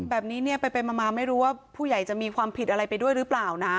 แบบนี้เนี่ยไปมาไม่รู้ว่าผู้ใหญ่จะมีความผิดอะไรไปด้วยหรือเปล่านะ